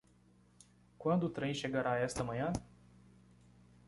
Quando o trem chegará esta manhã?